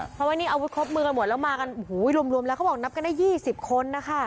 เพราะว่านี่อาวุธครบมือกันหมดแล้วมากันโอ้โหรวมแล้วเขาบอกนับกันได้๒๐คนนะคะ